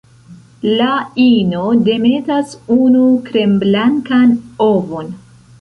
La ino demetas unu kremblankan ovon.